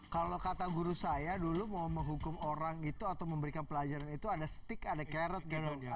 kalau kata guru saya dulu mau menghukum orang itu atau memberikan pelajaran itu ada stick ada carrot gitu